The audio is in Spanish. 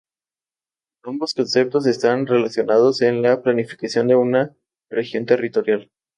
Ambos conceptos están relacionados en la planificación de una región territorial.